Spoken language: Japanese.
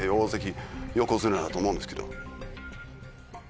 だと思うんですけど。